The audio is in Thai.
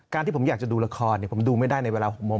ที่ผมอยากจะดูละครผมดูไม่ได้ในเวลา๖โมง